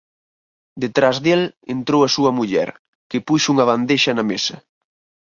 Detrás del entrou a súa muller, que puxo unha bandexa na mesa: